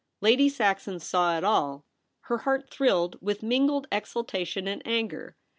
Lady Saxon saw it all. Her heart thrilled with mingled exultation and anger.